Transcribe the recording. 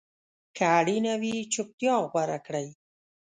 که اړینه وي، چپتیا غوره کړئ.